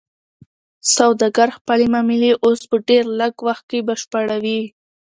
سوداګر خپلې معاملې اوس په ډیر لږ وخت کې بشپړوي.